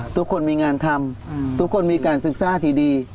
ทุกคนมีงานทำทุกคนมีการศึกษาที่ดี